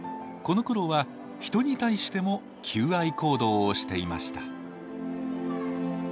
このころは人に対しても求愛行動をしていました。